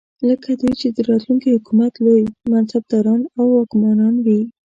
لکه دوی چې د راتلونکي حکومت لوی منصبداران او واکمنان وي.